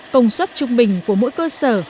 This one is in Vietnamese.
công suất trung bình của mỗi cơ sở